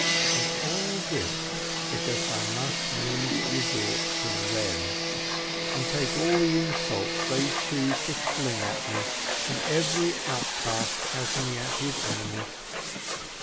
And all this because I must needs resort to them, and take all the insults they choose to fling at me, and every outcast has me at his mercy.